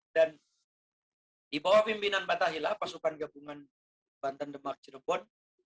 dan di bawah pimpinan fatahila pasukan gabungan banten demak cirebon